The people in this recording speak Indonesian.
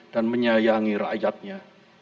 dan menyayangi rakyatnya